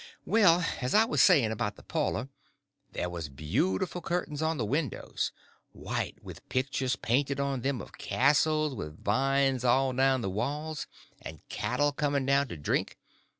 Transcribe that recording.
Well, as I was saying about the parlor, there was beautiful curtains on the windows: white, with pictures painted on them of castles with vines all down the walls, and cattle coming down to drink.